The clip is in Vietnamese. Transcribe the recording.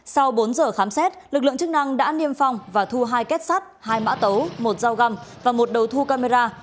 sau bốn giờ khám xét lực lượng chức năng đã niêm phong và thu hai kết sắt hai mã tấu một dao găm và một đầu thu camera